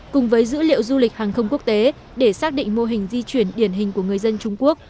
cùng với dữ liệu du lịch hàng không quốc tế để xác định mô hình di chuyển điển hình của người dân trung quốc